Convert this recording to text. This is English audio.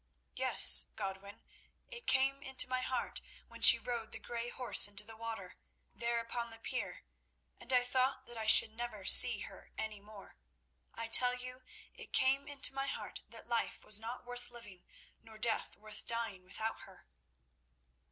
"Yes, Godwin; it came into my heart when she rode the grey horse into the water, there upon the pier, and I thought that I should never see her any more. I tell you it came into my heart that life was not worth living nor death worth dying without her."